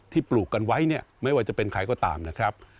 ที่ปลูกกันไว้ไม่ว่าจะเป็นใครก็ตามนะครับ